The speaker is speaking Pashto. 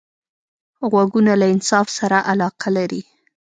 غوږونه له انصاف سره علاقه لري